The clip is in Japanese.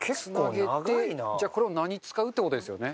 じゃあこれを何に使う？って事ですよね。